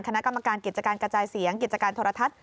คณะกรรมการกิจการกระจายเสียงกิจการโทรทัศน